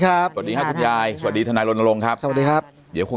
ครับสวัสดีครับคุณยายสวัสดีทนายโรนโรงครับสวัสดีครับเดี๋ยวคง